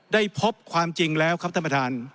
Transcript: ได้พบความจริงแล้วครับท่านประธาน